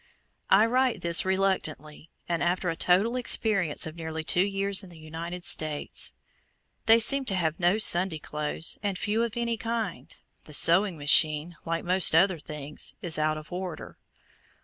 I write this reluctantly, and after a total experience of nearly two years in the United States. They seem to have no "Sunday clothes," and few of any kind. The sewing machine, like most other things, is out of order.